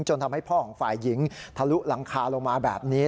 จนทำให้พ่อของฝ่ายหญิงทะลุหลังคาลงมาแบบนี้